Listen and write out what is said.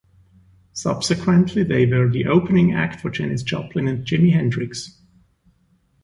Subsequently, they were the opening act for Janis Joplin and Jimi Hendrix.